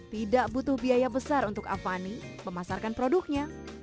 tidak butuh biaya besar untuk avani memasarkan produknya